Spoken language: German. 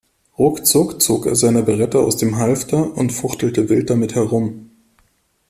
Ruckzuck zog er seine Beretta aus dem Halfter und fuchtelte wild damit herum.